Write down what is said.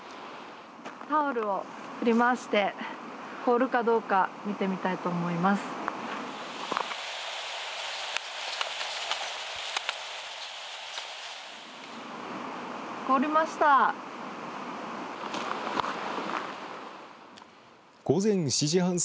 タオルを振り回して凍るかどうか見てみたいと思います。